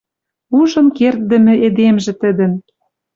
Ужын керддӹмӹ эдемжӹ тӹдӹн